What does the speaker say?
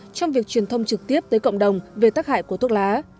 trong việc truyền thông trực tiếp tới cộng đồng về tác hại của thuốc lá